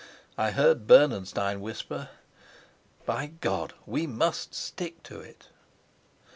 I heard Bernenstein whisper, "By God, we must stick to it!"